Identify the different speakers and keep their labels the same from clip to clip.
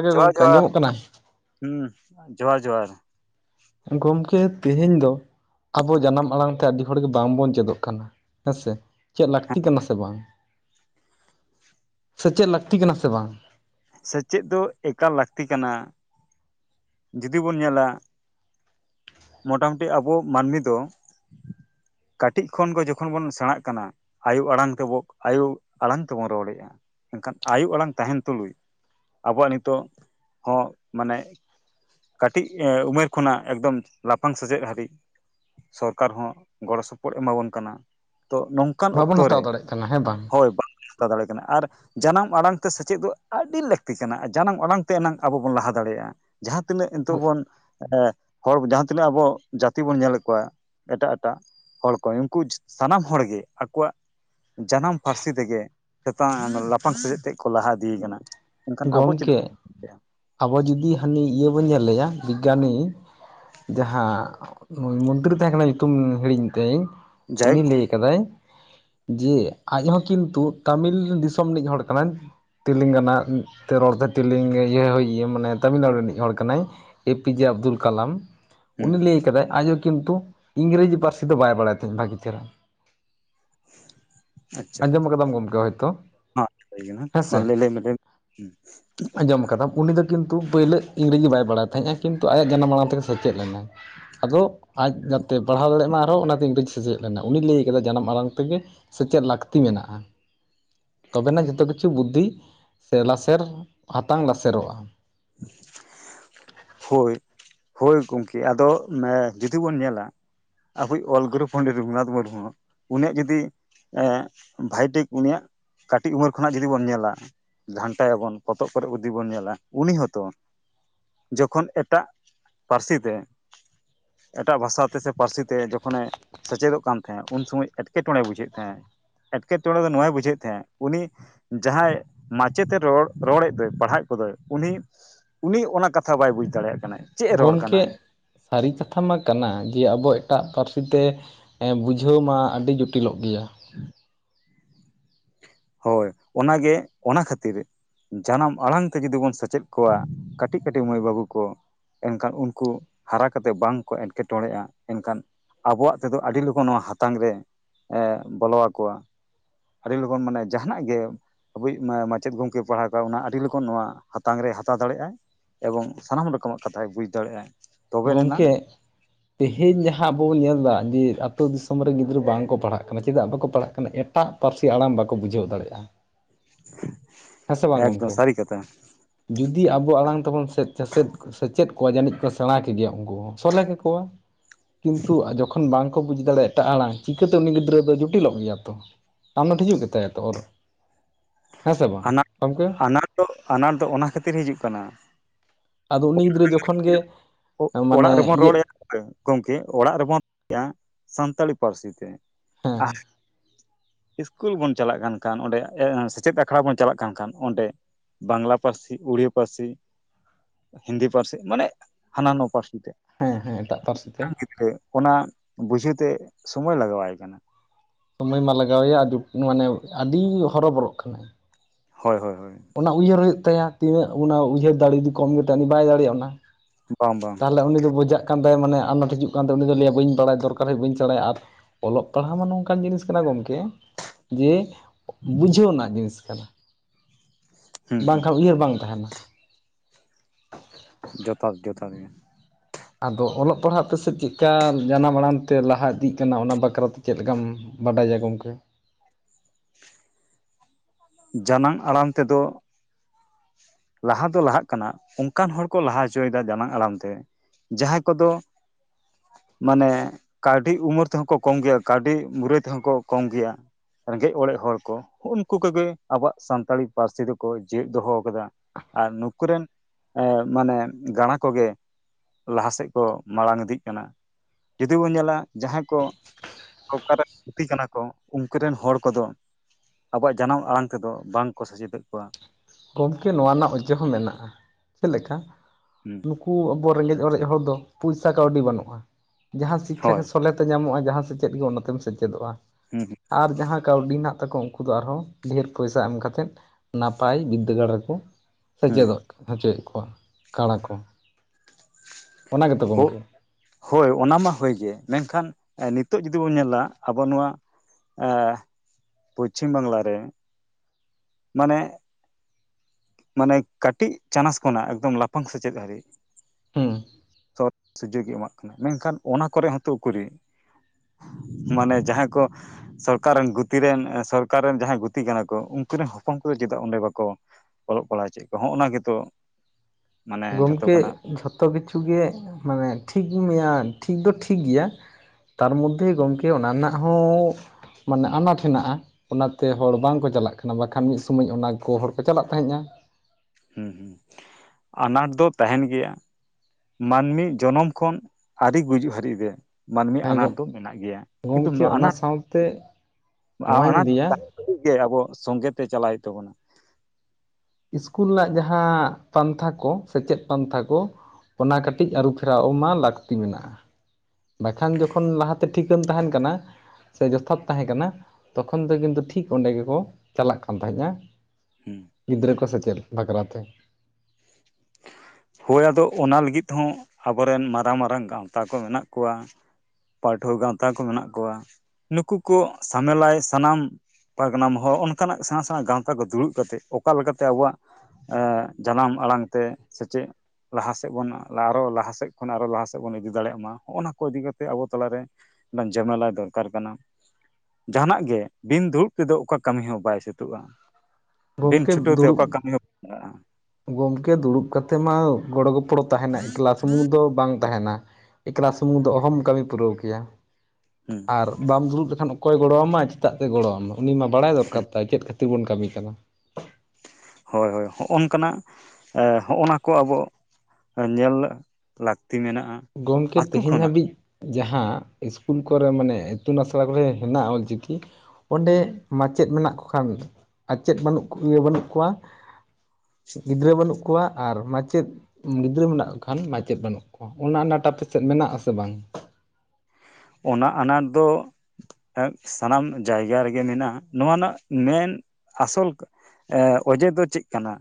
Speaker 1: ᱜᱮ
Speaker 2: ᱡᱚᱦᱟᱨ
Speaker 1: ᱜᱚᱢᱠᱮ
Speaker 2: ᱡᱚᱦᱟᱨ
Speaker 1: ᱟᱸᱡᱚᱢᱚᱜ ᱠᱟᱱᱟ
Speaker 2: ᱦᱩᱸ ᱡᱚᱦᱟᱨ ᱡᱚᱦᱟᱨ
Speaker 1: ᱜᱚᱢᱠᱮ ᱛᱮᱦᱮᱧ ᱫᱚ ᱟᱵᱚ ᱡᱟᱱᱟᱢ ᱟᱲᱟᱝ ᱛᱮ ᱟᱹᱰᱤ ᱦᱚᱲᱜᱮ ᱵᱟᱝ ᱵᱚᱱ ᱪᱮᱫᱚᱜ ᱠᱟᱱᱟ ᱦᱮᱸ ᱥᱮ ᱪᱮᱫ ᱞᱟᱹᱠᱛᱤ ᱠᱟᱱᱟ ᱥᱮ ᱵᱟᱝ ᱥᱮᱪᱮᱫ ᱞᱟᱹᱠᱛᱤ ᱠᱟᱱᱟ ᱥᱮ ᱵᱟᱝ
Speaker 2: ᱥᱮᱪᱮᱫ ᱫᱚ ᱮᱠᱟᱞ ᱞᱟᱹᱠᱛᱤ ᱠᱟᱱᱟ ᱡᱩᱫᱤ ᱵᱚᱱ ᱧᱮᱞᱟ ᱢᱚᱴᱟᱢᱩᱴᱤ ᱟᱵᱚ ᱢᱟᱹᱱᱢᱤ ᱫᱚ ᱠᱟᱹᱴᱤᱡ ᱠᱷᱚᱱ ᱜᱮ ᱡᱚᱠᱷᱚᱱ ᱵᱚᱱ ᱥᱮᱬᱟᱜ ᱠᱟᱱᱟ ᱟᱭᱳ ᱟᱲᱟᱝ ᱛᱮᱵᱚ ᱟᱭᱳ ᱟᱲᱟᱝ ᱛᱮᱵᱚᱱ ᱨᱚᱲᱮᱫ-ᱟ ᱮᱱᱠᱷᱟᱱ ᱟᱭᱩ ᱟᱲᱟᱝ ᱛᱟᱦᱮᱱ ᱛᱩᱞᱩᱡ ᱟᱵᱚᱣᱟᱜ ᱱᱤᱛᱚᱜ ᱦᱚᱸ ᱢᱟᱱᱮ ᱠᱟᱹᱴᱤᱡ ᱩᱢᱮᱨ ᱠᱷᱚᱱᱟᱜ ᱮᱠᱫᱚᱢ ᱞᱟᱯᱷᱟᱝ ᱥᱮᱪᱮᱫ ᱦᱟᱵᱤᱡ ᱥᱚᱨᱠᱟᱨ ᱦᱚᱸ ᱜᱚᱲᱚ ᱥᱚᱯᱚᱦᱚᱫ ᱮᱢᱟᱵᱚᱱ ᱠᱟᱱᱟ ᱛᱚ ᱱᱚᱝᱠᱟ ᱚᱱᱠᱟᱱ
Speaker 1: ᱵᱟᱵᱚᱱ
Speaker 2: ᱚᱠᱛᱚ
Speaker 1: ᱦᱟᱛᱟᱣ
Speaker 2: ᱨᱮ
Speaker 1: ᱫᱟᱲᱮᱭᱟᱜ ᱠᱟᱱᱟ ᱦᱮᱸ ᱵᱟᱝ
Speaker 2: ᱦᱳᱭ [unintelligible] ᱦᱟᱛᱟᱣ ᱫᱟᱲᱮ ᱠᱟᱱᱟ ᱟᱨ ᱡᱟᱱᱟᱢ ᱟᱲᱟᱝ ᱛᱮ ᱥᱮᱪᱮᱫ ᱫᱚ ᱟᱹᱰᱤ ᱞᱟᱹᱠᱛᱤ ᱠᱟᱱᱟ ᱡᱟᱱᱟᱢ ᱟᱲᱟᱝ ᱛᱮ ᱮᱱᱟᱝ ᱟᱵᱚ ᱵᱚᱱ ᱞᱟᱦᱟ ᱫᱟᱲᱮᱭᱟᱜ-ᱟ ᱡᱟᱦᱟᱸ ᱛᱤᱱᱟᱹᱜ ᱡᱟᱦᱟ ᱛᱤᱱᱚᱜ ᱵᱚᱱ ᱦᱚᱲ ᱡᱟᱦᱟᱸ ᱛᱤᱱᱟᱹᱜ ᱟᱵᱚ ᱡᱟᱹᱛᱤ ᱵᱚᱱ ᱧᱮᱞᱮᱫ ᱠᱚᱣᱟ ᱮᱴᱟᱜ ᱮᱴᱟᱜ ᱦᱚᱲ ᱠᱚ ᱩᱱᱠᱩ ᱥᱟᱱᱟᱢ ᱦᱚᱲᱜᱮ ᱟᱠᱚᱣᱟᱜ ᱡᱟᱱᱟᱢ ᱯᱟᱹᱨᱥᱤ ᱛᱮᱜᱮ ᱪᱮᱛᱟᱱ ᱞᱟᱯᱷᱟᱝ ᱥᱮᱪᱮᱫ ᱛᱮᱫ ᱠᱚ ᱞᱟᱦᱟ ᱤᱫᱤᱭ ᱠᱟᱱᱟ ᱮᱱᱠᱷᱟᱱ ᱟᱵᱚ ᱪᱮᱫᱟᱜ
Speaker 1: ᱜᱚᱢᱠᱮ ᱟᱵᱚ ᱡᱩᱫᱤ ᱦᱟᱹᱱᱤ ᱤᱭᱟᱹ ᱵᱚᱱ ᱧᱮᱞᱮᱭᱟ ᱵᱤᱜᱽᱜᱟᱱᱤ ᱡᱟᱦᱟᱸ ᱱᱩᱭ ᱢᱚᱱᱛᱨᱤ ᱛᱟᱦᱮᱸᱠᱟᱱᱟ ᱧᱩᱛᱩᱢ ᱦᱤᱲᱤᱧ ᱛᱮᱧ ᱩᱱᱤ
Speaker 2: ᱡᱟᱭᱦᱳᱠ
Speaker 1: ᱞᱟᱹᱭ ᱠᱟᱫᱟᱭ ᱡᱮ ᱟᱡ ᱦᱚᱸ ᱠᱤᱱᱛᱩ ᱛᱟᱹᱢᱤᱞ ᱫᱤᱥᱚᱢ ᱨᱤᱱᱤᱡ ᱦᱚᱲ ᱠᱟᱱᱟᱭ ᱛᱮᱞᱮᱝᱠᱟᱱᱟ ᱨᱚᱲᱛᱮ ᱛᱮᱞᱤᱝ ᱤᱭᱟᱹ ᱦᱩᱭᱩᱜ ᱢᱟᱱᱮ ᱛᱟᱹᱟᱢᱤᱞᱱᱟᱲᱩ ᱨᱤᱱᱤᱡ ᱦᱚᱲ ᱠᱟᱱᱟᱭ ᱮ ᱯᱤ ᱡᱮ ᱟᱵᱫᱩᱞ ᱠᱟᱞᱟᱢ
Speaker 2: ᱦᱩᱸ
Speaker 1: ᱩᱱᱤ ᱞᱟᱹᱭ ᱟᱠᱟᱫᱟᱭ ᱟᱭᱳ ᱠᱤᱱᱛᱩ ᱤᱝᱨᱮᱡᱤ ᱯᱟᱹᱨᱥᱤ ᱫᱚ ᱵᱟᱭ ᱵᱟᱲᱟᱭ ᱛᱟᱦᱮᱸᱫ ᱵᱷᱟᱜᱤ ᱪᱮᱦᱨᱟ
Speaker 2: ᱟᱪᱪᱷᱟ
Speaker 1: ᱟᱸᱡᱚᱢ ᱠᱟᱫᱟᱢ ᱜᱚᱝᱠᱮ ᱦᱚᱳᱭᱛᱳ
Speaker 2: ᱦᱩᱭ ᱠᱟᱱᱟ ᱢᱟ
Speaker 1: ᱦᱮᱸᱥᱮ
Speaker 2: ᱞᱟᱹᱭ ᱞᱟᱹᱭ ᱢᱮ ᱞᱟᱹᱭ ᱢᱮ
Speaker 1: ᱟᱸᱡᱚᱢ ᱟᱠᱟᱫᱟᱢ ᱩᱱᱤ ᱫᱚ ᱠᱤᱱᱛᱩ ᱯᱳᱭᱞᱳ ᱤᱝᱨᱮᱡᱤ ᱵᱟᱭ ᱵᱟᱲᱟᱭ ᱛᱟᱦᱮᱸᱜ-ᱟ ᱠᱤᱱᱛᱩ ᱟᱭᱟᱜ ᱡᱟᱱᱟᱢ ᱟᱲᱟᱝ ᱛᱮᱜᱮ ᱥᱮᱪᱮᱫ ᱞᱮᱱᱟᱭ ᱟᱫᱚ ᱟᱡ ᱡᱟᱛᱮ ᱯᱟᱲᱦᱟᱣ ᱫᱟᱲᱮᱭᱟᱜ ᱢᱟ ᱟᱨᱦᱚᱸ ᱚᱱᱟᱛᱮ ᱤᱝᱨᱮᱡᱤ ᱥᱮᱪᱮᱫ ᱞᱮᱱᱟ ᱩᱱᱤ ᱞᱟᱹᱭ ᱠᱟᱫᱟ ᱡᱟᱱᱟᱢ ᱟᱲᱟᱝ ᱛᱮᱜᱮ ᱥᱮᱪᱮᱫ ᱞᱟᱹᱠᱛᱤ ᱢᱮᱱᱟᱜ-ᱟ ᱛᱚᱵᱮᱱᱟᱜ ᱡᱚᱛᱚ ᱠᱤᱪᱷᱩ ᱵᱩᱫᱽᱫᱷᱤ ᱥᱮ ᱞᱟᱥᱮᱨ ᱦᱟᱛᱟᱝ ᱞᱟᱥᱮᱨᱚᱜ-ᱟ [unintelligible]
Speaker 2: ᱦᱳᱭ ᱦᱳᱭ ᱜᱚᱢᱠᱮ ᱟᱫᱚ ᱡᱩᱫᱤ ᱵᱚᱱ ᱧᱮᱞᱟ ᱟᱵᱚᱭᱤᱡ ᱚᱞ ᱜᱩᱨᱩ ᱯᱚᱱᱰᱤᱛ ᱨᱚᱜᱷᱩᱱᱟᱛᱷ ᱢᱩᱨᱢᱩ ᱩᱱᱤᱭᱟᱜ ᱡᱩᱫᱤ ᱮ ᱵᱷᱟᱭ ᱴᱷᱤᱠ ᱩᱱᱤᱭᱟᱜ ᱠᱟᱹᱴᱤᱡ ᱩᱢᱮᱨ ᱠᱷᱚᱱᱟᱜ ᱡᱩᱫᱤ ᱵᱚᱱ ᱧᱮᱞᱟ ᱜᱷᱟᱱᱴᱟᱭᱟᱵᱚᱱ ᱯᱚᱛᱚᱵ ᱠᱚᱨᱮ ᱡᱩᱫᱤ ᱵᱚᱱ ᱧᱮᱞᱟ ᱩᱱᱤ ᱦᱚᱛᱚ ᱡᱚᱠᱷᱚᱱ ᱮᱴᱟᱜ ᱯᱟᱹᱨᱥᱤ ᱛᱮ ᱮᱴᱟᱜ ᱵᱷᱟᱥᱟ ᱛᱮ ᱥᱮ ᱯᱟᱹᱨᱥᱤ ᱛᱮ ᱡᱚᱠᱷᱚᱱᱮ ᱥᱮᱪᱮᱫᱚᱜ ᱠᱟᱱ ᱛᱟᱦᱮᱸᱜ ᱩᱱ ᱥᱚᱢᱚᱭ ᱮᱴᱠᱮᱴᱚᱬᱮᱭ ᱵᱩᱡᱷᱟᱹᱣ ᱛᱟᱦᱮᱸᱜ ᱮᱴᱠᱮᱴᱚᱬᱮ ᱫᱚ ᱱᱚᱣᱟᱭ ᱵᱩᱡᱷᱟᱹᱣᱮᱫ ᱛᱟᱦᱮᱸᱫ ᱩᱱᱤ ᱡᱟᱦᱟᱸᱭ ᱢᱟᱪᱮᱫ ᱮ ᱨᱚᱲ ᱨᱚᱲᱮᱫ ᱫᱚᱭ ᱯᱟᱲᱦᱟᱜ ᱠᱚᱫᱚᱭ ᱩᱱᱤ ᱩᱱᱤ ᱚᱱᱟ ᱠᱟᱛᱷᱟ ᱵᱟᱭ ᱵᱩᱡᱽ ᱫᱟᱲᱮᱭᱟᱜ ᱠᱟᱱᱟᱭ ᱪᱮᱫ ᱮ ᱨᱚᱲ
Speaker 1: ᱜᱚᱢᱠᱮ
Speaker 2: ᱠᱟᱱᱟᱭ
Speaker 1: ᱥᱟᱹᱨᱤ ᱠᱟᱛᱷᱟ ᱢᱟ ᱠᱟᱱᱟ ᱡᱮ ᱟᱵᱚ ᱮᱴᱟᱜ ᱯᱟᱹᱨᱥᱤ ᱛᱮ ᱵᱩᱡᱷᱟᱹᱣ ᱢᱟ ᱟᱹᱰᱤ ᱡᱚᱴᱤᱞᱚᱜ ᱜᱮᱭᱟ
Speaker 2: [unintelligible] ᱦᱳᱭ ᱚᱱᱟᱜᱮ ᱚᱱᱟ ᱠᱷᱟᱹᱛᱤᱨ ᱡᱟᱱᱟᱢ ᱟᱲᱟᱝ ᱛᱮ ᱡᱩᱫᱤ ᱵᱚᱱ ᱥᱮᱪᱮᱫ ᱠᱚᱣᱟ ᱠᱟᱹᱴᱤᱡ ᱠᱟᱹᱴᱤᱡ ᱢᱟᱹᱭ ᱵᱟᱹᱵᱩ ᱠᱚ ᱮᱱᱠᱷᱟᱱ ᱩᱱᱠᱩ ᱦᱟᱨᱟ ᱠᱟᱛᱮᱫ ᱵᱟᱝ ᱠᱚ ᱮᱸᱴᱠᱮᱴᱚᱬᱮᱜ-ᱟ ᱮᱱᱠᱷᱟᱱ ᱟᱵᱚᱣᱟᱜ ᱛᱮᱫᱚ ᱟᱹᱰᱤ ᱞᱚᱜᱚᱱ ᱱᱚᱣᱟ ᱦᱟᱛᱟᱝ ᱨᱮ ᱵᱚᱞᱚ ᱟᱠᱚᱣᱟ ᱟᱹᱰᱤ ᱞᱚᱜᱚᱱ ᱢᱟᱱᱮ ᱡᱟᱦᱟᱱᱟᱜ ᱜᱮ ᱟᱵᱚᱭᱤᱡ ᱢᱟᱪᱮᱫ ᱜᱚᱝᱠᱮ ᱯᱟᱲᱦᱟᱣ ᱠᱚᱣᱟ ᱚᱱᱟ ᱟᱹᱰᱤ ᱞᱚᱜᱚᱱ ᱱᱚᱣᱟ ᱦᱟᱛᱟᱝ ᱨᱮᱭ ᱦᱟᱛᱟᱣ ᱫᱟᱲᱮᱭᱟᱜ ᱟᱭ ᱮᱵᱚᱝ ᱥᱟᱱᱟᱢ ᱨᱚᱠᱚᱢᱟᱜ ᱠᱟᱛᱷᱟᱭ ᱵᱩᱡᱽ ᱫᱟᱲᱮᱭᱟᱜ-ᱟ
Speaker 1: ᱜᱚᱢᱠᱮ ᱛᱮᱦᱮᱧ ᱡᱟᱦᱟᱸ ᱟᱵᱚ ᱵᱚᱱ ᱧᱮᱞᱫᱟ ᱡᱮ ᱟᱛᱳ ᱫᱤᱥᱚᱢ ᱨᱮ ᱜᱤᱫᱽᱨᱟᱹ ᱵᱟᱝᱠᱚ ᱯᱟᱲᱦᱟᱜ ᱠᱟᱱᱟ ᱪᱮᱫᱟᱜ ᱵᱟᱠᱚ ᱯᱟᱲᱦᱟᱜ ᱠᱟᱱᱟ ᱮᱴᱟᱜ ᱯᱟᱹᱨᱥᱤ ᱟᱲᱟᱝ ᱵᱟᱠᱚ ᱵᱩᱡᱷᱟᱹᱣ ᱫᱟᱲᱮᱭᱟᱜᱼᱟ ᱦᱮᱸ ᱥᱮ ᱵᱟᱝ
Speaker 2: ᱮᱠᱫᱚᱢ
Speaker 1: ᱜᱚᱢᱠᱮ?
Speaker 2: ᱥᱟᱹᱨᱤ ᱠᱟᱛᱷᱟ
Speaker 1: ᱡᱩᱫᱤ ᱟᱵᱚ ᱟᱲᱟᱝ ᱛᱮᱟᱵᱚᱱ ᱥᱮᱪᱮᱫᱼᱥᱮᱪᱮᱫ ᱠᱚᱣᱟ ᱡᱟᱹᱱᱤᱡ ᱠᱚ ᱥᱮᱬᱟ [unintelligible] ᱩᱱᱠᱩ ᱦᱚᱸ ᱥᱚᱞᱦᱮ ᱠᱮᱠᱚᱣᱟ ᱠᱤᱱᱛᱩ ᱡᱚᱠᱷᱚᱱ ᱵᱟᱝᱠᱚ ᱵᱩᱡᱽ ᱫᱟᱲᱮᱭᱟᱜ ᱮᱴᱟᱜ ᱟᱲᱟᱝ ᱪᱤᱠᱟᱹᱛᱮ ᱩᱱᱤ ᱜᱤᱫᱽᱨᱟᱹ ᱫᱚ ᱡᱚᱴᱤᱞᱚᱜ ᱜᱮᱭᱟ ᱛᱚ [unintelligible] ᱦᱤᱡᱩᱜ ᱜᱮᱛᱟᱭᱟᱛᱚ ᱚᱨ ᱦᱮᱸ ᱥᱮ ᱵᱟᱝ
Speaker 2: ᱟᱱᱟᱜ
Speaker 1: ᱜᱚᱢᱠᱮ
Speaker 2: ᱟᱱᱟᱴ ᱫᱚ ᱟᱱᱟᱴ ᱫᱚ ᱚᱱᱟ ᱠᱷᱟᱹᱛᱤᱨ ᱦᱤᱡᱩᱜ ᱠᱟᱱᱟ
Speaker 1: ᱟᱫᱚ ᱩᱱᱤ ᱜᱤᱫᱽᱨᱟᱹ ᱡᱚᱠᱷᱚᱱ ᱜᱮ ᱢᱟᱱᱮ
Speaker 2: ᱚᱲᱟᱜ ᱨᱮᱵᱚᱱ
Speaker 1: ᱤᱭᱟ. ᱜ
Speaker 2: ᱨᱚᱲᱮᱫᱼᱟ ᱜᱚᱢᱠᱮ ᱚᱲᱟᱜ ᱨᱮᱵᱚᱱᱼ [unintelligible] ᱟ ᱥᱟᱱᱛᱟᱲᱤ ᱯᱟᱹᱨᱥᱤ ᱛᱮ
Speaker 1: ᱦᱮᱸ
Speaker 2: ᱤᱥᱠᱩᱞ ᱵᱚᱱ ᱪᱟᱞᱟᱜ ᱠᱟᱱ ᱠᱷᱟᱱ ᱚᱸᱰᱮᱼᱥᱮᱪᱮᱫ ᱟᱠᱟᱱᱟ ᱟᱠᱷᱲᱟ ᱵᱚᱱ ᱪᱟᱞᱟᱜ ᱠᱟᱱ ᱠᱷᱟᱱ ᱚᱸᱰᱮ ᱵᱟᱝᱞᱟ ᱯᱟᱹᱨᱥᱤ ᱩᱲᱤᱭᱟ ᱯᱟᱹᱨᱥᱤ ᱦᱤᱱᱫᱤ ᱯᱟᱹᱨᱥᱤ ᱢᱟᱱᱮ ᱦᱟᱱᱟ ᱱᱚᱣᱟ ᱯᱟᱹᱨᱥᱤ ᱛᱮ
Speaker 1: ᱦᱮᱸ ᱦᱮᱸ ᱮᱴᱟᱜ ᱯᱟᱹᱨᱥᱤ ᱛᱮ
Speaker 2: ᱜᱤᱫᱽᱨᱟᱹ ᱚᱱᱟ ᱵᱩᱡᱷᱟᱹᱣᱛᱮ ᱥᱚᱢᱚᱭ ᱞᱟᱜᱟᱣᱟᱭ ᱠᱟᱱᱟ
Speaker 1: ᱥᱚᱢᱚᱭ ᱢᱟ ᱞᱟᱜᱟᱣᱮᱭᱟ ᱟᱨ ᱢᱟᱱᱮ ᱟᱹᱰᱤ ᱦᱚᱨᱚᱵᱚᱨᱚᱜ ᱠᱟᱱᱟᱭ
Speaker 2: ᱦᱳᱭ ᱦᱳᱭ ᱦᱳᱭ
Speaker 1: ᱚᱱᱟ ᱩᱭᱦᱟᱹᱨ ᱦᱩᱭᱩᱜ ᱛᱟᱭᱟ ᱛᱤᱱᱟᱹᱜ ᱚᱱᱟ ᱩᱭᱦᱟᱹᱨ ᱫᱟᱲᱮ ᱡᱩᱫᱤ ᱠᱚᱢ ᱜᱮ ᱛᱟᱭᱟᱭ ᱩᱱᱤ ᱵᱟᱭ ᱫᱟᱲᱮᱭᱟᱜᱼᱟ ᱚᱱᱟ
Speaker 2: ᱵᱟᱝ ᱵᱟᱝ
Speaker 1: ᱛᱟᱦᱚᱞᱮ ᱩᱱᱤ ᱫᱚ ᱵᱚᱡᱟᱜ ᱠᱟᱱ ᱛᱟᱭ ᱢᱟᱱᱮ ᱟᱱᱟᱴ ᱦᱤᱡᱩᱜ ᱠᱟᱱ ᱛᱟᱭ ᱩᱱᱤ ᱫᱚ ᱞᱟᱹᱭᱟ ᱵᱟᱹᱧ ᱵᱟᱲᱟᱭ ᱫᱚᱨᱠᱟᱨ ᱦᱩᱭᱩᱜ ᱵᱟᱹᱧ ᱥᱮᱲᱟᱭᱟ ᱟᱨ ᱚᱞᱚᱜ ᱯᱟᱲᱦᱟᱣ ᱢᱟ ᱱᱚᱝᱠᱟᱱ ᱡᱤᱱᱤᱥ ᱠᱟᱱᱟ ᱜᱚᱢᱠᱮ ᱡᱮ ᱵᱩᱡᱷᱟᱹᱣ ᱨᱮᱱᱟᱜ ᱡᱤᱱᱤᱥ ᱠᱟᱱᱟ
Speaker 2: ᱦᱩᱸ ᱦᱩᱸ
Speaker 1: ᱵᱟᱝᱠᱷᱟᱱ ᱩᱭᱦᱟᱹᱨ ᱵᱟᱝ ᱛᱟᱦᱮᱱᱟ
Speaker 2: ᱡᱚ ᱛᱷᱟᱛ ᱡᱚ ᱛᱷᱟᱛ ᱜᱮ
Speaker 1: ᱟᱫᱚ ᱚᱞᱚᱜ ᱯᱟᱲᱦᱟᱜ ᱛᱮ ᱥᱮᱫ ᱪᱮᱫ ᱠᱟ ᱡᱟᱱᱟᱢ ᱟᱲᱟᱝ ᱛᱮ ᱞᱟᱦᱟ ᱤᱫᱤᱜ ᱠᱟᱱᱟ ᱚᱱᱟ ᱵᱟᱠᱷᱨᱟᱛᱮ ᱪᱮᱫ ᱞᱮᱠᱟᱢ ᱵᱟᱰᱟᱭᱟ ᱜᱚᱢᱠᱮ
Speaker 2: ᱡᱟᱱᱟᱢ ᱟᱲᱟᱝ ᱛᱮ ᱫᱚ ᱞᱟᱦᱟ ᱫᱚ ᱞᱟᱦᱟᱜ ᱠᱟᱱᱟ ᱚᱱᱠᱟᱱ ᱦᱚᱲ ᱠᱚ ᱞᱟᱦᱟ ᱦᱚᱪᱚᱭᱮᱫᱟ ᱡᱟᱱᱟᱝ ᱟᱲᱟᱝ ᱛᱮ ᱡᱟᱦᱟᱸᱭ ᱠᱚᱫᱚ ᱢᱟᱱᱮ ᱠᱟᱹᱣᱰᱤ ᱩᱢᱮᱨ ᱛᱮᱦᱚᱸ ᱠᱚ ᱠᱚᱢ ᱜᱮᱭᱟ ᱠᱟᱹᱣᱰᱤ ᱢᱩᱨᱟᱹᱭ ᱛᱮᱦᱚᱸ ᱠᱚ ᱠᱚᱢ ᱜᱮᱭᱟ ᱨᱮᱸᱜᱮᱡ ᱚᱨᱮᱡ ᱦᱚᱲ ᱠᱚ ᱩᱱᱠᱩ ᱠᱚᱜᱮ ᱟᱵᱚᱣᱟᱜ ᱥᱟᱱᱛᱟᱲᱤ ᱯᱟᱹᱨᱥᱤ ᱫᱚᱠᱚ ᱡᱮᱣᱤᱫ ᱫᱚᱦᱚ ᱟᱠᱟᱫᱟ ᱟᱨ ᱱᱩᱠᱩ ᱨᱤᱱ ᱢᱟᱱᱮ ᱜᱟᱬᱟ ᱠᱚᱜᱮ ᱞᱟᱦᱟ ᱥᱮᱫ ᱠᱚ ᱢᱟᱲᱟᱝ ᱤᱫᱤᱜ ᱠᱟᱱᱟ ᱡᱩᱫᱤ ᱵᱚᱱ ᱧᱮᱞᱟ ᱡᱟᱦᱟᱸᱭ ᱠᱚ ᱚᱠᱟᱨᱮ ᱯᱩᱛᱤ ᱠᱟᱱᱟ ᱠᱚ ᱩᱱᱠᱩ ᱨᱤᱱ ᱦᱚᱲ ᱠᱚᱫᱚ ᱟᱵᱚᱣᱟᱜ ᱡᱟᱱᱟᱢ ᱟᱲᱟᱝ ᱛᱮᱫᱚ ᱵᱟᱝ ᱠᱚ ᱥᱮᱪᱮᱫᱮᱫ ᱠᱚᱣᱟ
Speaker 1: ᱜᱚᱢᱠᱮ ᱱᱚᱣᱟ ᱨᱮᱱᱟᱜ ᱚᱡᱮ ᱦᱚᱸ ᱢᱮᱱᱟᱜᱼᱟ ᱪᱮᱫ ᱞᱮᱠᱟ
Speaker 2: ᱦᱩᱸ
Speaker 1: ᱱᱩᱠᱩ ᱟᱵᱚ ᱨᱮᱸᱜᱮᱡ ᱚᱨᱮᱡ ᱦᱚᱲ ᱫᱚ ᱯᱚᱭᱥᱟ ᱠᱟᱹᱣᱰᱤ ᱵᱟᱹᱱᱩᱜᱼᱟ ᱡᱟᱦᱟᱸ ᱥᱤᱠᱷᱟ
Speaker 2: ᱦᱳᱭ
Speaker 1: [unintelligible] ᱥᱮᱫ [unintelligible] [unintelligible] ᱧᱟᱢᱚᱜᱼᱟ ᱡᱟᱦᱟᱸ ᱥᱮᱪᱮᱫ ᱜᱮ ᱚᱱᱟᱛᱮᱢ ᱥᱮᱪᱮᱫᱚᱜᱼᱟ
Speaker 2: ᱦᱩᱸ
Speaker 1: ᱟᱨ ᱡᱟᱦᱟᱸ ᱠᱟᱹᱣᱰᱤ ᱢᱮᱱᱟᱜ ᱛᱟᱠᱚᱣᱟ ᱩᱱᱠᱩ ᱫᱚ ᱟᱨᱦᱚᱸ ᱰᱷᱮᱨ ᱯᱚᱭᱥᱟ ᱮᱢ ᱠᱟᱛᱮᱫ ᱱᱟᱯᱟᱭ [unintelligible] ᱵᱤᱫᱽᱫᱟᱹᱜᱟᱲ ᱨᱮᱠᱚ
Speaker 2: ᱦᱩᱸ
Speaker 1: ᱥᱮᱪᱮᱫᱚᱜ ᱦᱚᱪᱚᱭᱮᱫ ᱠᱚᱣᱟ ᱠᱟᱲᱟ ᱠᱚ ᱚᱱᱟ ᱜᱮᱛᱚ ᱜᱚᱢᱠᱮ
Speaker 2: ᱦᱚᱭ ᱚᱱᱟ ᱢᱟ ᱦᱚᱭ ᱜᱮ ᱢᱮᱱᱠᱷᱟᱱ ᱱᱤᱛᱚᱜ ᱡᱩᱫᱤ ᱵᱚᱱ ᱧᱮᱞᱟ ᱟᱵᱚ ᱱᱚᱣᱟ ᱮᱼᱯᱚᱪᱷᱤᱢ ᱵᱟᱝᱞᱟ ᱨᱮ ᱢᱟᱱᱮ ᱢᱟᱱᱮ ᱠᱟᱹᱴᱤᱡ ᱪᱟᱱᱟᱪ ᱠᱷᱚᱱᱟᱜ ᱮᱠᱫᱚᱢ ᱞᱟᱯᱷᱟᱝ ᱥᱮᱪᱮᱫ ᱦᱟᱹᱨᱤᱡ
Speaker 1: ᱦᱩᱸ
Speaker 2: [unintelligible] ᱥᱩᱡᱚᱜᱽ ᱮ ᱮᱢᱟᱜ ᱠᱟᱱᱟ ᱢᱮᱱᱠᱷᱟᱱ ᱚᱱᱟ ᱠᱚᱨᱮ ᱦᱚᱸᱛᱚ ᱚᱠᱩᱨᱤ ᱢᱟᱱᱮ ᱡᱟᱦᱟᱸᱭ ᱠᱚ ᱥᱚᱨᱠᱟᱨ ᱨᱤᱱ ᱜᱩᱛᱤ ᱨᱮᱱ ᱥᱚᱨᱠᱟᱨ ᱨᱤᱱ ᱡᱟᱦᱟᱸᱭ ᱜᱩᱛᱤ ᱠᱟᱱᱟ ᱠᱚ ᱩᱱᱠᱩ ᱨᱮᱱ ᱦᱚᱯᱚᱱ ᱠᱚᱫᱚ ᱪᱮᱫᱟᱜ ᱚᱸᱰᱮ ᱵᱟᱠᱚ ᱚᱞᱚᱜ ᱯᱟᱲᱦᱟᱜ ᱪᱮᱫ ᱠᱚ ᱦᱚᱜᱼᱱᱟ ᱜᱮᱛᱚ ᱢᱟᱱᱮ ᱡᱷᱚᱛᱚ
Speaker 1: ᱜᱚᱢᱠᱮ
Speaker 2: ᱠᱷᱚᱱᱟᱜ
Speaker 1: ᱡᱷᱚᱛᱚ ᱠᱤᱪᱷᱩ ᱜᱮ ᱢᱟᱱᱮ ᱴᱷᱤᱠ ᱜᱮᱭᱟ ᱴᱷᱤᱠ ᱫᱚ ᱴᱷᱤᱠ ᱜᱮᱭᱟ ᱛᱟᱨ ᱢᱚᱫᱽᱫᱷᱮ ᱜᱚᱢᱠᱮ ᱚᱱᱟ ᱨᱮᱱᱟᱜ ᱦᱚᱸ ᱢᱟᱱᱮ ᱟᱱᱟᱴ ᱦᱮᱱᱟᱜᱼᱟ ᱚᱱᱟᱛᱮ ᱦᱚᱲ ᱵᱟᱝᱠᱚ ᱪᱟᱞᱟᱜ ᱠᱟᱱᱟ ᱵᱟᱠᱷᱟᱱ ᱢᱤᱫ ᱥᱚᱢᱚᱭ ᱚᱱᱟ ᱠᱚ ᱦᱚᱲ ᱠᱚ ᱪᱟᱞᱟᱜ ᱛᱟᱦᱮᱸᱫᱼᱟ
Speaker 2: ᱦᱩᱸ ᱟᱱᱟᱴ ᱫᱚ ᱛᱟᱦᱮᱱ ᱜᱮᱭᱟ᱾ ᱢᱟᱹᱱᱢᱤ ᱡᱚᱱᱚᱢ ᱠᱷᱚᱱ [inaudible] ᱟᱹᱨᱤ ᱜᱩᱡᱩᱜ ᱦᱟᱹᱨᱤ ᱨᱮ ᱢᱟᱹᱱᱢᱤ ᱟᱱᱟᱴ ᱫᱚ ᱢᱮᱱᱟᱜ ᱜᱮᱭᱟ ᱠᱤᱱᱛᱩ ᱱᱚᱣᱟ ᱟᱱᱟᱴ
Speaker 1: ᱥᱟᱣᱛᱮ
Speaker 2: ᱟ ᱟᱱᱟᱴ ᱛᱟᱦᱮᱱ ᱛᱩᱞᱩᱡ ᱜᱮ ᱟᱵᱚ ᱥᱚᱸᱜᱮ ᱛᱮ ᱪᱟᱞᱟᱜ ᱦᱩᱭᱩᱜ ᱛᱟᱵᱚᱱᱟ᱾
Speaker 1: ᱤᱥᱠᱩᱞ ᱞᱮᱱᱟᱜ ᱡᱟᱦᱟᱟᱸ ᱯᱟᱱᱛᱷᱟ ᱠᱚ ᱥᱮᱪᱮᱫ ᱯᱟᱱᱛᱷᱟ ᱠᱚᱪ ᱚᱱᱟ ᱠᱟᱹᱴᱤᱡ ᱟᱹᱨᱩ ᱯᱷᱮᱨᱟᱣ ᱚᱱᱟ ᱞᱟᱹᱠᱛᱤ ᱢᱮᱱᱟᱜᱼᱟ᱾ ᱵᱟᱠᱷᱟᱱ ᱡᱚᱠᱷᱚᱱ ᱞᱟᱦᱟᱛᱮ ᱴᱷᱤᱠᱮᱢ, ᱛᱟᱦᱮᱱ ᱠᱟᱱᱟ ᱥᱮ ᱡᱚᱛᱷᱟᱛ ᱛᱟᱦᱮᱸ ᱠᱟᱱᱟ ᱛᱚᱠᱷᱚᱱ ᱫᱚ ᱠᱤᱱᱛᱩ ᱴᱷᱤᱠ ᱚᱸᱰᱮ ᱜᱮᱠᱚ ᱪᱟᱞᱟᱜ ᱠᱟᱱ ᱛᱟᱦᱮᱸᱡᱼᱟ᱾ ᱜᱤᱫᱽᱨᱟᱹ ᱠᱚ ᱥᱮᱪᱮᱫ ᱵᱷᱠᱷᱨᱟᱛᱮ᱾
Speaker 2: ᱦᱚᱭ ᱟᱫᱚ ᱚᱱᱟ ᱞᱤᱹᱜᱤᱫ ᱦᱚᱸ ᱟᱵᱚ ᱨᱮᱱ ᱢᱟᱨᱟᱝ-ᱢᱟᱨᱟᱝ ᱜᱟᱶᱛᱟ ᱠᱚ ᱢᱮᱱᱟᱜ ᱠᱚᱣᱟ᱾ ᱯᱟᱹᱴᱷᱩᱣᱟᱹ ᱜᱟᱶᱛᱟ ᱠᱚ ᱢᱮᱱᱟᱜ ᱠᱚᱣᱟ [inaudible] ᱱᱩᱠᱩ ᱠᱚ ᱥᱟᱢᱮᱞᱟᱭ ᱥᱟᱱᱟᱢ ᱯᱟᱨᱟᱜᱽᱱᱟᱢ ᱦᱚᱸ ᱚᱱᱠᱟᱱᱟᱜ ᱥᱟᱣ ᱥᱟᱣ ᱜᱟᱶᱛᱟ ᱠᱚ ᱫᱩᱲᱩᱵ ᱠᱟᱛᱮᱫ ᱚᱠᱟ ᱞᱮᱠᱟᱛᱮ ᱟᱵᱚᱣᱟᱜ ᱮᱻ ᱡᱟᱱᱟᱢ ᱟᱲᱟᱝ ᱛᱮ ᱥᱮᱪᱮᱫ ᱞᱟᱦᱟ ᱥᱮᱫ ᱵᱚᱱ ᱟᱨᱦᱚ ᱞᱟᱦᱟ ᱥᱮᱫ ᱠᱷᱚᱱ ᱟᱨᱚ ᱞᱟᱦᱟ ᱥᱮᱫ ᱵᱚᱱ ᱤᱫᱤ ᱫᱟᱲᱮᱭᱟᱜ ᱢᱟ ᱦᱚᱸᱜᱚᱱᱟ ᱠᱚ ᱤᱫᱤ ᱠᱟᱛᱮᱜ ᱟᱵᱚ ᱛᱟᱞᱟᱨᱮ ᱡᱚᱢᱞᱟᱭ ᱫᱚᱨᱠᱟᱨ ᱠᱟᱱᱟ᱾ ᱡᱟᱦᱟᱱᱟᱜ ᱜᱮ ᱵᱤᱱ ᱫᱩᱲᱩᱵ ᱛᱮᱫᱚ ᱚᱠᱟ ᱠᱟᱹᱢᱤ ᱦᱚᱸ ᱵᱟᱭ ᱥᱟᱹᱛᱚᱜᱼᱟ᱾ ᱵᱤᱱ
Speaker 1: ᱜᱚᱢᱠᱮ
Speaker 2: ᱪᱷᱩᱴᱟᱹᱣ ᱛᱮ
Speaker 1: ᱫᱩᱲᱩᱵ
Speaker 2: ᱚᱠᱟ ᱠᱟᱹᱢᱤ ᱦᱚᱸ ᱵᱟ
Speaker 1: ᱜᱚᱢᱠᱮ ᱫᱩᱲᱩᱵ ᱠᱟᱛᱮᱫ ᱢᱟ ᱜᱚᱲᱚ ᱜᱚᱯᱚᱲᱚ ᱛᱟᱦᱮᱱᱟ, ᱮᱠᱞᱟ ᱥᱩᱢᱩᱝ ᱫᱚ ᱵᱟᱝ ᱛᱟᱦᱮᱱᱟ᱾ ᱮᱠᱞᱟ ᱥᱩᱢᱩᱝ ᱫᱚ ᱚᱦᱚᱢ ᱠᱟᱹᱢᱤ ᱯᱩᱨᱟᱹᱣ ᱠᱮᱭᱟ᱾
Speaker 2: ᱦᱩᱸ
Speaker 1: ᱟᱨ ᱵᱟᱢ ᱫᱩᱲᱩᱵ ᱞᱮᱠᱷᱟᱱ ᱚᱠᱚᱭ ᱜᱚᱲᱚᱣᱟᱢᱟ ᱪᱮᱛᱟᱜ ᱛᱮᱭ ᱜᱚᱲᱚᱣᱟᱢᱟ ᱩᱱᱤ ᱢᱟ ᱵᱟᱲᱟᱭ ᱫᱚᱨᱠᱟᱨ ᱛᱟᱭ ᱪᱮᱫ ᱠᱷᱟᱹᱛᱤᱨ ᱵᱚᱱ ᱠᱟᱹᱢᱤ ᱠᱟᱱᱟ᱾
Speaker 2: ᱦᱳᱭ ᱦᱳᱭ ᱦᱚᱜᱼᱚᱱᱚᱝ ᱠᱟᱱᱟᱜ ᱦᱚᱜᱼᱚᱱᱟᱠᱚ ᱟᱵᱚ ᱮ ᱧᱮᱞ [inaudible] ᱞᱟᱹᱠᱛᱤ ᱢᱮᱱᱟᱜᱼᱟ ᱾
Speaker 1: ᱜᱚᱝᱠᱮ ᱛᱮᱦᱮᱧ ᱦᱟᱹᱵᱤᱡ ᱡᱟᱦᱟᱸ ᱤᱥᱠᱩᱞ ᱠᱚᱨᱮ ᱢᱟᱱᱮ ᱤᱛᱩᱱ ᱟᱥᱲᱟ ᱠᱚᱨᱮ ᱦᱮᱱᱟᱜᱼᱟ ᱚᱞ ᱪᱤᱠᱤ ᱚᱸᱰᱮ ᱢᱟᱪᱮᱫ ᱢᱮᱱᱟᱜ ᱠᱚ ᱠᱷᱟᱱ, ᱟᱪᱮᱫ ᱵᱟᱹᱱᱩᱜ ᱤᱭᱹᱟ ᱵᱟᱹᱱᱩᱜ ᱠᱚᱣᱟ᱾ ᱜᱤᱫᱽᱨᱟᱹ ᱵᱟᱹᱱᱩᱜ ᱠᱩᱣᱟ ᱟᱨ ᱢᱟᱪᱮᱫ [inaudible] ᱜᱤᱫᱽᱨᱟᱹ ᱢᱮᱱᱟᱜ ᱠᱚ ᱠᱷᱟᱱ ᱢᱟᱪᱮᱫ ᱵᱟᱹᱱᱩᱜ ᱠᱚᱣᱟ᱾ ᱚᱱᱟ ᱚᱱᱟᱴᱟᱜ ᱟᱯᱮ ᱥᱮᱫ ᱢᱮᱱᱟᱜ ᱟᱥᱮ ᱵᱟᱝ?
Speaker 2: ᱚᱱᱟ ᱟᱱᱟᱴ ᱫᱚ [unintelligible] ᱥᱟᱱᱟᱢ ᱡᱟᱭᱜᱟ ᱨᱮᱜᱮ ᱢᱮᱱᱟᱜᱼᱟ ᱱᱚᱣᱟ ᱨᱮᱱᱟᱜ ᱢᱮᱱ ᱟᱥᱚᱞ ᱮᱸ ᱚᱡᱮ ᱫᱚ ᱪᱮᱫ ᱠᱟᱱᱟ?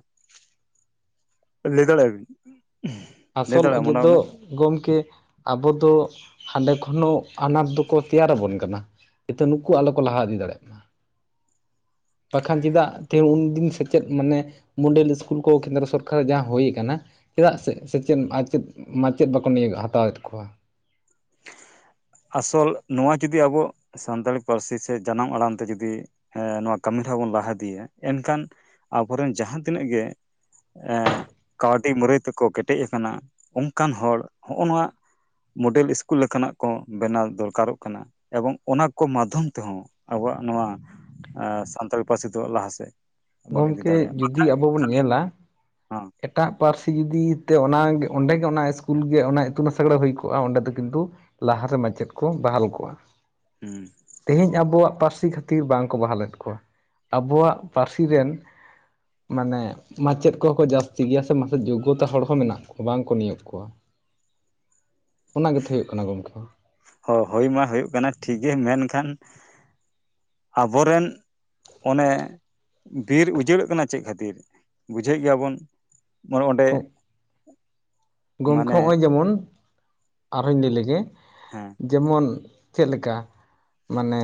Speaker 2: ᱞᱟᱹᱭ ᱫᱟᱲᱮᱭᱟ ᱵᱤᱱ? [unintelligible]
Speaker 1: ᱟᱥᱚᱞ ᱚᱡᱮ ᱫᱚ
Speaker 2: ᱢᱚᱴᱟᱢᱩᱴᱤ
Speaker 1: ᱜᱚᱢᱠᱮ ᱟᱵᱚ ᱫᱚ ᱦᱟᱸᱰᱮ ᱠᱷᱚᱱ ᱦᱚᱸ ᱟᱱᱟᱴ ᱫᱚᱠᱚ ᱛᱮᱭᱟᱨ ᱟᱵᱚᱱ ᱠᱟᱱᱟ᱾ ᱱᱤᱛᱚ ᱱᱩᱠᱩ ᱟᱞᱚ ᱠᱚ ᱞᱟᱦᱟ ᱤᱫᱤ ᱫᱟᱲᱮᱜ ᱢᱟ [inaudible] ᱵᱟᱠᱷᱟᱱ ᱪᱮᱫᱟᱜ ᱛᱮ ᱩᱱᱫᱤᱱ ᱥᱮᱪᱮᱫ ᱢᱟᱱᱮ ᱢᱚᱰᱮᱞ ᱤᱥᱠᱩᱞ ᱠᱚ ᱠᱮᱱᱫᱨᱚ ᱥᱚᱨᱠᱟᱨ ᱟᱜ ᱡᱟᱦᱟᱸ ᱦᱩᱭ ᱠᱟᱱᱟ ᱪᱮᱫᱟᱜ ᱥᱮ ᱥᱮᱪᱮᱫ ᱟᱪᱮᱫ ᱢᱟᱪᱮᱫ ᱵᱟᱠᱚ ᱱᱭᱟᱹᱠ ᱦᱟᱛᱟᱣᱮᱫ ᱠᱚᱣᱟ᱾
Speaker 2: ᱟᱥᱚᱞ ᱱᱚᱣᱟ ᱡᱩᱫᱤ ᱟᱵᱚ ᱥᱟᱱᱛᱟᱲᱤ ᱯᱟᱹᱨᱥᱤ ᱥᱮ ᱡᱟᱱᱟᱢ ᱟᱲᱟᱝ ᱛᱮ ᱡᱩᱫᱤ ᱮᱸ ᱱᱚᱣᱟ ᱠᱟᱹᱢᱤ ᱫᱚ ᱦᱟᱜ ᱵᱚᱱ ᱞᱟᱦᱟ ᱤᱫᱤᱭᱟ᱾ ᱮᱱᱠᱷᱟᱱ ᱟᱵᱚᱨᱮᱱ ᱡᱟᱦᱟᱸ ᱛᱤᱱᱟᱹᱜ ᱜᱮ ᱮᱸᱻ ᱠᱟᱹᱣᱰᱤ ᱢᱩᱹᱨᱟᱹᱭ ᱛᱮᱠᱚ ᱠᱮᱴᱮᱡ ᱟᱠᱟᱱᱟ ᱚᱱᱠᱟᱱ ᱦᱚᱲ ᱦᱚᱜ-ᱚ ᱱᱚᱣᱟ ᱢᱚᱰᱮᱞ ᱤᱥᱠᱩᱞ ᱞᱮᱠᱟᱱᱟᱜ ᱠᱚ ᱵᱮᱱᱟᱣ ᱫᱚᱨᱠᱟᱨᱚᱜ ᱠᱟᱱᱟ ᱮᱵᱚᱝ ᱚᱱᱟ ᱠᱚ ᱢᱟᱫᱷᱚᱢ ᱛᱮᱦᱚᱸ ᱟᱵᱚᱣᱟᱜ ᱱᱚᱣᱟ ᱮ ᱥᱟᱱᱛᱟᱲᱤ ᱯᱟᱹᱨᱥᱤ ᱛᱚ ᱞᱟᱦᱟ ᱥᱮᱜ
Speaker 1: ᱜᱚᱢᱠᱮ ᱡᱩᱫᱤ ᱟᱵᱚ ᱵᱚᱱ ᱧᱮᱞᱟ,
Speaker 2: ᱦᱮᱸ
Speaker 1: ᱮᱴᱟᱜ ᱯᱟᱹᱨᱥᱤ ᱡᱩᱫᱤ ᱛᱮ ᱚᱱᱟ ᱜᱮ ᱚᱸᱰᱮ ᱜᱮ ᱚᱱᱟ ᱤᱥᱠᱩᱞ ᱜᱮ ᱚᱱᱟ ᱤᱛᱩᱱ ᱟᱥᱲᱟ ᱦᱩᱭ ᱠᱚᱜᱼᱟ ᱚᱸᱰᱮ ᱫᱚ ᱠᱤᱱᱛᱩ ᱞᱟᱦᱟ ᱨᱮ ᱢᱟᱪᱮᱫ ᱠᱚ ᱵᱟᱦᱟᱞ ᱠᱚᱜᱟ᱾
Speaker 2: ᱦᱩᱸ
Speaker 1: ᱛᱮᱦᱮᱧ ᱟᱵᱚᱣᱟᱜ ᱯᱟᱹᱨᱥᱤ ᱠᱷᱟᱹᱛᱤᱨ ᱵᱟᱝᱠᱚ ᱵᱟᱦᱟᱞᱮᱫ ᱠᱚᱣᱟ ᱾ ᱟᱵᱚᱣᱟᱜ ᱯᱟᱹᱨᱥᱤ ᱨᱮᱱ ᱢᱟᱱᱮ ᱢᱟᱪᱮᱫ ᱠᱚᱦᱚ ᱠᱚ ᱡᱟᱹᱥᱛᱤ ᱪᱤᱜ ᱜᱮᱭᱟ ᱥᱮ ᱢᱟᱥᱮ ᱡᱚᱜᱚᱛᱟ ᱦᱚᱲ ᱦᱚᱸ ᱢᱮᱱᱟᱜ ᱠᱚᱣᱟ ᱵᱟᱝ ᱠᱚ ᱱᱤᱭᱟᱹᱜ ᱠᱚᱣᱟ ᱚᱱᱟ ᱜᱮᱛᱚ ᱦᱩᱭᱩᱜ ᱠᱟᱱᱟ ᱜᱚᱝᱠᱮ
Speaker 2: ᱦᱚ ᱦᱳᱭ ᱢᱟ ᱦᱩᱭᱩᱜ ᱠᱟᱱᱟ ᱴᱷᱤᱠ ᱜᱮ ᱢᱮᱱ ᱠᱷᱟᱱ ᱟᱵᱚᱨᱮᱱ ᱚᱱᱮ ᱵᱤᱨ ᱩᱡᱟᱹᱲᱚᱜ ᱠᱟᱱᱟ ᱪᱮᱫ ᱠᱷᱟᱹᱛᱤᱨ ᱵᱩᱡᱷᱟᱹᱜ ᱜᱮᱭᱟ ᱵᱚᱱ ᱚᱱᱮ ᱚᱸᱰᱮ
Speaker 1: ᱜᱚᱢᱠᱮ
Speaker 2: ᱢᱟᱱᱮ
Speaker 1: ᱦᱚᱸᱜᱼᱚᱭ ᱡᱮᱢᱚᱱ ᱟᱨᱦᱚᱧ ᱞᱟᱹᱭ ᱞᱮᱜᱮ
Speaker 2: ᱦᱮᱸ
Speaker 1: ᱡᱮᱢᱚᱱ ᱪᱮᱫ ᱞᱮᱠᱟ ᱢᱟᱱᱮ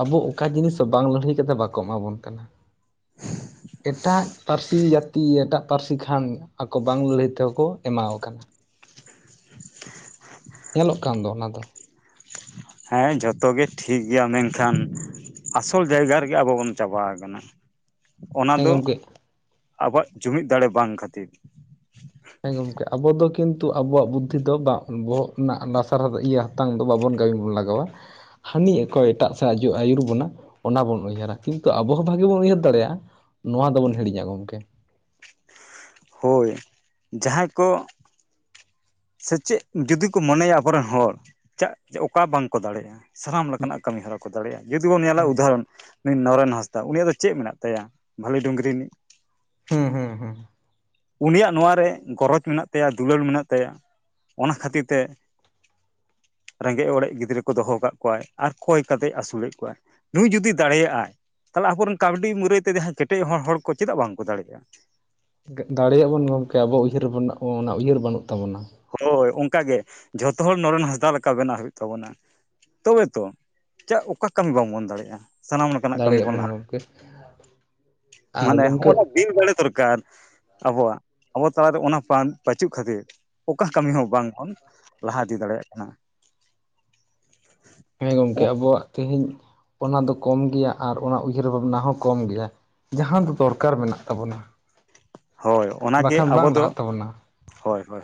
Speaker 1: ᱟᱵᱚ ᱚᱠᱟ ᱡᱤᱱᱤᱥ ᱵᱟᱝ ᱞᱟᱹᱲᱦᱟᱹᱭ ᱠᱟᱛᱮ ᱵᱟᱠᱚ ᱮᱢᱟ ᱵᱚᱱ ᱠᱟᱱᱟ ᱮᱴᱟᱜ ᱯᱟᱹᱨᱥᱤ ᱡᱟᱹᱛᱤ ᱮᱴᱟᱜ ᱯᱟᱹᱨᱥᱤ ᱠᱷᱟᱱ ᱟᱠᱚ ᱵᱟᱝ ᱞᱟᱹᱲᱦᱟᱹᱭ ᱛᱮᱦᱚᱸ ᱠᱚ ᱮᱢᱟᱣ ᱠᱟᱱᱟ
Speaker 2: [inaudible]
Speaker 1: ᱧᱮᱞᱚᱜ ᱠᱟᱱ ᱫᱚ ᱚᱱᱟ ᱫᱚ
Speaker 2: ᱦᱮᱸ ᱡᱚᱛᱚ ᱜᱮ ᱴᱷᱤᱠ ᱜᱮᱭᱟ ᱢᱮᱱ ᱠᱷᱟᱱ ᱟᱥᱚᱞ ᱡᱟᱭᱜᱟ ᱨᱮᱜᱮ ᱟᱵᱚ ᱵᱚᱱ ᱪᱟᱵᱟ ᱠᱟᱱᱟ ᱚᱱᱟ
Speaker 1: ᱦᱮᱸ
Speaker 2: ᱫᱚ
Speaker 1: ᱜᱚᱢᱠᱮ
Speaker 2: ᱟᱵᱚᱣᱟᱜ ᱡᱩᱢᱤᱫ ᱫᱟᱲᱮ ᱵᱟᱝ ᱠᱷᱟᱹᱛᱤᱨ
Speaker 1: ᱦᱮᱸ ᱜᱚᱢᱠᱮ ᱟᱵᱚ ᱫᱚ ᱠᱤᱱᱛᱩ ᱟᱵᱚᱣᱟᱜ ᱵᱩᱫᱽᱫᱷᱤ ᱫᱚ ᱵᱟᱝ ᱵᱚᱦᱚᱜ ᱨᱮᱱᱟᱜ ᱞᱟᱛᱟᱨ ᱤᱭᱟᱹ ᱛᱟᱝ ᱫᱚ ᱵᱟᱵᱚᱱ ᱠᱟᱹᱢᱤ ᱵᱚᱱ ᱞᱟᱜᱟᱣᱟ ᱦᱟᱹᱱᱤ ᱚᱠᱚᱭ ᱮᱴᱟᱜ ᱥᱮᱫ ᱟᱡᱚ ᱟᱹᱭᱩᱨ ᱵᱚᱱᱟ ᱚᱱᱟ ᱵᱚᱱ ᱩᱭᱦᱟᱹᱨᱟ ᱠᱤᱱᱛᱩ ᱟᱵᱚ ᱦᱚᱸ ᱵᱷᱟᱜᱤ ᱵᱚᱱ ᱩᱭᱦᱟᱹᱨ ᱫᱟᱲᱮᱭᱟᱜᱼᱟ ᱱᱚᱣᱟ ᱫᱚ ᱵᱚᱱ ᱦᱤᱲᱤᱧᱟ ᱜᱚᱢᱠᱮ
Speaker 2: ᱦᱚᱭ ᱡᱟᱦᱟᱸᱭ ᱠᱚ ᱥᱮᱪᱮᱫ ᱡᱩᱫᱤ ᱠᱚ ᱢᱚᱱᱮᱭᱟ ᱟᱵᱚ ᱨᱮᱱ ᱦᱚᱲ ᱪᱟᱜ ᱚᱠᱟ ᱵᱟᱝ ᱠᱚ ᱫᱟᱲᱮ ᱟ ᱥᱟᱱᱟᱢ ᱞᱮᱠᱟᱱᱟᱜ ᱠᱟᱹᱢᱤ ᱦᱚᱨᱟ ᱠᱚ ᱫᱟᱲᱮᱭᱟᱜᱼᱟ ᱡᱩᱫᱤ ᱵᱚᱱ ᱧᱮᱞᱟ
Speaker 1: ᱦᱩᱸ
Speaker 2: ᱩᱫᱟ ᱦᱚᱨᱚᱱ ᱱᱩᱭ ᱱᱚᱨᱮᱱ ᱦᱟᱸᱥᱫᱟ ᱩᱱᱤᱭᱟᱜ ᱫᱚ ᱪᱮᱫ ᱢᱮᱱᱟᱜ ᱛᱟᱭᱟ ᱵᱷᱟᱞᱤ ᱰᱩᱝᱨᱤ ᱨᱤᱱᱤᱡ
Speaker 1: ᱦᱩᱸ ᱦᱩᱸ ᱦᱩᱸ
Speaker 2: ᱩᱱᱤᱭᱟᱜ ᱱᱚᱣᱟ ᱨᱮ ᱜᱚᱨᱚᱡᱽ ᱢᱮᱱᱟᱜ ᱛᱟᱭᱟ ᱫᱩᱞᱟᱹᱲ ᱢᱮᱱᱟᱜ ᱛᱟᱭᱟ ᱚᱱᱟ ᱠᱷᱟᱹᱛᱤᱨ ᱛᱮ ᱨᱮᱸᱜᱮᱡ ᱚᱨᱮᱡ ᱜᱤᱫᱽᱨᱟᱹ ᱠᱚ ᱫᱚᱦᱚ ᱠᱟᱫ ᱠᱚᱣᱟᱭ ᱟᱨ ᱠᱚᱭ ᱠᱟᱛᱮᱜ ᱟᱹᱥᱩᱞᱮᱫ ᱠᱚᱣᱟᱭ ᱱᱩᱭ ᱡᱩᱫᱤ ᱫᱟᱲᱮᱭᱟᱜᱼᱟᱭ ᱛᱟᱦᱚᱞᱮ ᱟᱵᱚᱨᱮᱱ ᱠᱟᱹᱣᱰᱤ ᱢᱩᱨᱟᱹᱭ ᱛᱮ ᱡᱟᱦᱟᱸᱭ ᱠᱮᱴᱮᱡ ᱦᱚᱲ ᱦᱚᱲ ᱠᱚ ᱪᱮᱫᱟᱜ ᱵᱟᱝ ᱠᱚ ᱫᱟᱲᱮᱭᱟᱜᱼᱟ
Speaker 1: ᱫᱟᱲᱮᱭᱟᱜ ᱵᱚᱱ ᱜᱚᱢᱠᱮ ᱟᱵᱚ ᱩᱭᱦᱟᱹᱨ ᱚᱱᱟ ᱩᱭᱦᱟᱹᱨ ᱵᱟᱹᱱᱩᱜ ᱛᱟᱵᱚᱱᱟ
Speaker 2: ᱦᱳᱭ ᱚᱱᱠᱟ ᱜᱮ ᱡᱷᱚᱛᱚ ᱦᱚᱲ ᱱᱚᱨᱮᱱ ᱦᱟᱸᱥᱫᱟ ᱞᱮᱠᱟ ᱵᱮᱱᱟᱣ ᱦᱩᱭᱩᱜ ᱛᱟᱵᱚᱱᱟ ᱛᱚᱵᱮ ᱛᱚ ᱪᱮᱫ ᱚᱠᱟ ᱠᱟᱹᱢᱤ ᱵᱟᱝ ᱵᱚᱱ ᱫᱟᱲᱮᱭᱟᱜᱼᱟ ᱥᱟᱱᱟᱢ ᱞᱮᱠᱟᱱᱟᱜ ᱠᱟᱹᱢᱤ ᱵᱚᱱ ᱞᱟᱦᱟᱼᱟ
Speaker 1: [inaudible] ᱟᱨ
Speaker 2: ᱢᱟᱱᱮ
Speaker 1: ᱜᱚᱢᱠᱮ
Speaker 2: ᱦᱚᱸᱜᱼᱱᱟ ᱵᱤᱱ ᱵᱟᱲᱮ ᱫᱚᱨᱠᱟᱨ ᱟᱵᱚᱣᱟᱜ ᱟᱵᱚ ᱛᱟᱞᱟᱨᱮ ᱚᱱᱟ ᱯᱨᱟᱱ ᱯᱟᱪᱩᱜ ᱠᱷᱟᱹᱛᱤᱨ ᱚᱠᱟ ᱠᱟᱹᱢᱤ ᱦᱚᱸ ᱵᱟᱝ ᱵᱚᱱ ᱞᱟᱦᱟ ᱤᱫᱤ ᱫᱟᱲᱮᱭᱟᱜ ᱠᱟᱱᱟ
Speaker 1: ᱦᱮᱸ ᱜᱚᱢᱠᱮ ᱟᱵᱚᱣᱟᱜ ᱛᱮᱦᱤᱧ ᱚᱱᱟ ᱫᱚ ᱠᱚᱢ ᱜᱮᱭᱟ ᱟᱨ ᱚᱱᱟ ᱩᱭᱦᱟᱹᱨ ᱵᱷᱟᱵᱽᱱᱟ ᱦᱚᱸ ᱠᱚᱢ ᱜᱮᱭᱟ ᱡᱟᱦᱟᱸ ᱫᱚ ᱫᱚᱨᱠᱟᱨ ᱢᱮᱱᱟᱜ ᱛᱟᱵᱚᱱᱟ
Speaker 2: ᱦᱳᱭ ᱚᱱᱟᱜᱮ
Speaker 1: ᱵᱟᱠᱷᱟᱱ
Speaker 2: ᱟᱵᱚ
Speaker 1: ᱵᱟᱝ
Speaker 2: ᱫᱚ
Speaker 1: ᱞᱟᱦᱟᱜ ᱛᱟᱵᱚᱱᱟ
Speaker 2: ᱦᱳᱭ ᱦᱳᱭ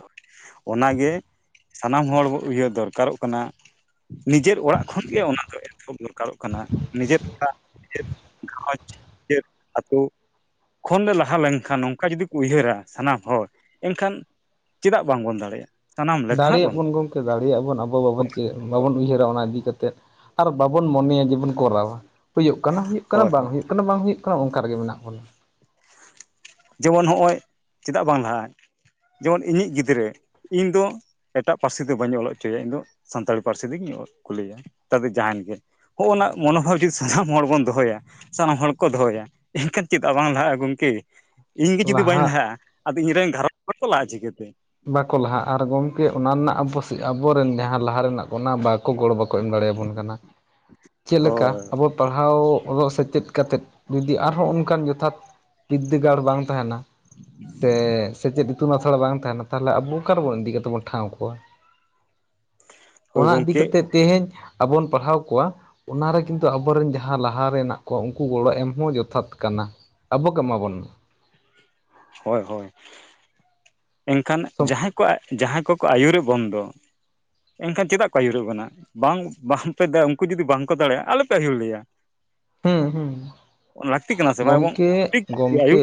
Speaker 2: ᱚᱱᱟ ᱜᱮ ᱥᱟᱱᱟᱢ ᱦᱚᱲ ᱩᱭᱦᱟᱹᱨ ᱫᱚᱨᱠᱟᱨᱚᱜ ᱠᱟᱱᱟ ᱱᱤᱡᱮᱨ ᱚᱲᱟᱜ ᱠᱷᱚᱱ ᱜᱮ ᱚᱱᱟ ᱫᱚ ᱮᱛᱚ ᱦᱚᱵ ᱫᱚᱨᱠᱟᱨᱚᱜ ᱠᱟᱱᱟ ᱱᱤᱡᱮᱨ ᱚᱲᱟᱜ ᱪᱮᱫ ᱜᱷᱟᱨᱚᱸᱡᱽ ᱪᱮᱫ [unintelligible] ᱟᱹᱛᱩ ᱠᱷᱚᱱ ᱞᱟᱦᱟ ᱞᱮᱱ ᱠᱷᱟᱱ ᱚᱱᱠᱟ ᱡᱩᱫᱤ ᱠᱚ ᱩᱭᱦᱟᱹᱨᱟ ᱥᱟᱱᱟᱢ ᱦᱚᱲ ᱮᱱ ᱠᱷᱟᱱ ᱪᱮᱫᱟᱜ ᱵᱟᱝ ᱵᱚᱱ ᱫᱟᱲᱮᱭᱟᱜᱼᱟ ᱥᱟᱱᱟᱢ ᱞᱮᱠᱟᱱᱟᱜ
Speaker 1: ᱫᱟᱲᱮᱭᱟᱜ ᱵᱚᱱ ᱜᱚᱢᱠᱮ ᱫᱟᱲᱮᱭᱟᱜ ᱟᱵᱚᱱ ᱟᱵᱚ ᱵᱟᱵᱚᱱ ᱪᱮᱫ ᱵᱟᱵᱚᱱ ᱩᱭᱦᱟᱹᱨᱟ ᱚᱱᱟ ᱤᱫᱤ ᱠᱟᱛᱮᱫ ᱟᱨ ᱵᱟᱵᱚᱱ ᱢᱚᱱᱮᱭᱟ ᱡᱮᱵᱚᱱ ᱠᱚᱨᱟᱣᱟ ᱦᱩᱭᱩᱜ ᱠᱟᱱᱟ ᱦᱩᱭᱩᱜ ᱠᱟᱱᱟ
Speaker 2: ᱦᱳᱭ
Speaker 1: ᱵᱟᱝ
Speaker 2: ᱦᱳᱭ
Speaker 1: ᱦᱩᱭᱩᱜ ᱠᱟᱱᱟ ᱵᱟᱝ ᱦᱩᱭᱩᱜ ᱠᱟᱱᱟ ᱚᱱᱠᱟ ᱨᱮᱜᱮ ᱢᱮᱱᱟᱜ ᱵᱚᱱᱟ
Speaker 2: ᱡᱮᱢᱚᱱ ᱦᱚᱸᱜᱼᱚᱭ ᱪᱤᱫᱟᱜ ᱵᱟᱝ ᱞᱟᱦᱟᱜᱼᱟ ᱡᱮᱢᱚᱱ ᱤᱧᱤᱡ ᱜᱤᱫᱽᱨᱟᱹ ᱤᱧ ᱫᱚ ᱮᱴᱟᱜ ᱯᱟᱹᱨᱥᱤ ᱛᱮ ᱵᱟᱹᱧ ᱚᱞ ᱦᱚᱪᱚᱭᱟ ᱤᱧ ᱫᱚ ᱥᱟᱱᱛᱟᱲᱤ ᱯᱟᱹᱨᱥᱤ ᱛᱤᱜᱤᱧ ᱠᱩᱞᱮᱭᱟ ᱛᱟᱛᱮ ᱡᱟᱸᱦᱟᱭᱮᱱ ᱜᱮ ᱦᱚᱸᱜᱼᱱᱟ ᱢᱚᱱᱳᱵᱷᱟᱵᱽ ᱡᱩᱫᱤ ᱥᱟᱱᱟᱢ ᱦᱚᱲ ᱵᱚᱱ ᱫᱚᱦᱚᱭᱟ ᱥᱟᱱᱟᱢ ᱦᱚᱲ ᱠᱚ ᱫᱚᱦᱚᱭᱟ ᱮᱱᱠᱷᱟᱱ ᱪᱮᱫᱟᱜ ᱵᱟᱝ ᱞᱟᱦᱟᱜᱼᱟ ᱜᱚᱝᱠᱮ ᱤᱧ ᱜᱮ ᱡᱩᱫᱤ ᱵᱟᱹᱧ
Speaker 1: ᱞᱟᱦᱟᱜ
Speaker 2: ᱞᱟᱦᱟᱜᱼᱟ ᱟᱫᱚ ᱤᱧ ᱨᱮᱱ ᱜᱷᱟᱨᱚᱸᱡᱽ ᱨᱮ [inaudible] ᱞᱟᱦᱟᱜᱼᱟ ᱪᱤᱠᱟᱹ ᱛᱮ
Speaker 1: ᱵᱟᱠᱚ ᱞᱟᱦᱟᱼᱟ ᱟᱨ ᱜᱚᱢᱠᱮ ᱚᱱᱟ ᱨᱮᱱᱟᱜ ᱟᱵᱚ ᱟᱵᱚᱨᱮᱱ ᱡᱟᱦᱟᱸ ᱞᱟᱦᱟ ᱨᱮᱱᱟᱜ ᱠᱚ ᱚᱱᱟ ᱵᱟᱠᱚ ᱜᱚᱲᱚ ᱵᱟ ᱮᱢ ᱫᱟᱲᱮ ᱟᱵᱚᱱ ᱠᱟᱱᱟ ᱪᱮᱫ ᱞᱮᱠᱟ
Speaker 2: ᱦᱳᱭ
Speaker 1: ᱟᱵᱚ ᱯᱟᱲᱦᱟᱣ ᱚᱜ ᱥᱮᱪᱮᱫ ᱠᱟᱛᱮᱫ ᱡᱩᱫᱤ ᱟᱨᱦᱚᱸ ᱚᱱᱠᱟᱱ ᱡᱚᱛᱷᱟᱛ ᱵᱤᱫᱽᱫᱟᱹᱜᱟᱲ ᱵᱟᱝ ᱛᱟᱸᱦᱮᱱᱟ ᱥᱮ ᱥᱮᱪᱮᱫ ᱤᱛᱩᱱ ᱟᱥᱲᱟ ᱵᱟᱝ ᱛᱟᱸᱦᱮᱱᱟ ᱛᱟᱦᱞᱮ ᱟᱵᱩ ᱚᱠᱟ ᱨᱮᱵᱚᱱ ᱤᱫᱤ ᱠᱟᱛᱮ ᱵᱚᱱ ᱴᱷᱟᱸᱣ ᱠᱚᱣᱟ ᱾ [inaudible]
Speaker 2: ᱦᱳᱭ
Speaker 1: ᱚᱲᱟᱜ ᱤᱫᱤ
Speaker 2: ᱜᱚᱢᱠᱮ
Speaker 1: ᱠᱟᱛᱮᱫ ᱛᱮᱦᱮᱧ ᱟᱵᱚ ᱵᱚᱱ ᱯᱟᱲᱦᱟᱣ ᱠᱚᱣᱟ ᱾ ᱚᱱᱟ ᱨᱮ ᱠᱤᱱᱛᱩ ᱟᱵᱚ ᱨᱮᱱ ᱡᱟᱦᱟᱸ ᱞᱟᱦᱟ ᱨᱮ ᱦᱮᱱᱟᱜ ᱠᱚᱣᱟ, ᱩᱱᱠᱩ ᱜᱚᱲᱚ ᱮᱢ ᱦᱚᱸ ᱡᱚᱛᱷᱟᱛ ᱠᱟᱱᱟ᱾ ᱟᱵᱚ ᱠᱚ ᱮᱢᱟ ᱵᱚᱱ
Speaker 2: ᱦᱳᱭ ᱦᱳᱭ, [inaudible] ᱮᱱᱠᱷᱟᱱ
Speaker 1: ᱢᱟ
Speaker 2: ᱡᱟᱦᱟᱸᱭ ᱠᱚ ᱟᱜ ᱡᱟᱦᱟᱸᱭ ᱠᱚᱠᱚ ᱟᱭᱩᱨᱮᱫ ᱵᱚᱱ ᱫᱚ, [inaudible] ᱮᱱᱠᱷᱟᱱ ᱪᱮᱫᱟᱜ ᱠᱚ ᱟᱭᱩᱨᱮᱫ ᱵᱚᱱᱟ? ᱵᱟᱝ ᱵᱟᱝᱯᱮ [unintelligible] ᱩᱝᱠᱩ ᱡᱩᱫᱤ ᱵᱟᱝᱠᱚ ᱫᱟᱲᱮᱭᱟᱜᱼᱟ ᱟᱞᱚᱯᱮ ᱟᱭᱩᱨ ᱞᱮᱭᱟ᱾
Speaker 1: ᱦᱩᱸ ᱦᱩᱸ
Speaker 2: [inaudible] ᱞᱟᱠᱛᱤ ᱠᱟᱱᱟ ᱥᱮ ᱵᱟᱝ ᱮᱵᱚᱝ
Speaker 1: ᱜᱚᱢᱠᱮ
Speaker 2: ᱴᱷᱤᱠ
Speaker 1: ᱜᱚᱢᱠᱮ
Speaker 2: [unintelligible]